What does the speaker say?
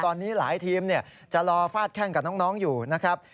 ตอนนี้หลายทีมจะรอฟาดแข้งกับน้องอยู่นะครับ